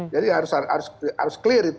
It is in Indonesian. jadi harus clear itu